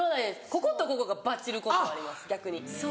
こことここがバチることはあります逆に。